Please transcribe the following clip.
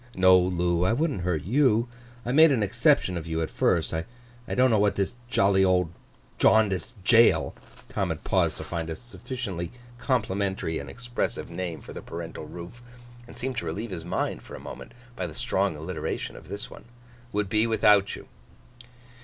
'No, Loo; I wouldn't hurt you. I made an exception of you at first. I don't know what this—jolly old—Jaundiced Jail,' Tom had paused to find a sufficiently complimentary and expressive name for the parental roof, and seemed to relieve his mind for a moment by the strong alliteration of this one, 'would be without you.